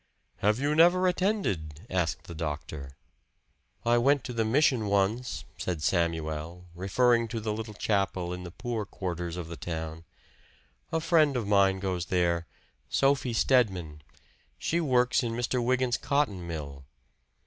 "Have you never attended?" asked the doctor. "I went to the mission once," said Samuel referring to the little chapel in the poor quarters of the town. "A friend of mine goes there Sophie Stedman. She works in Mr. Wygant's cotton mill."